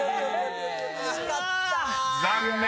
［残念！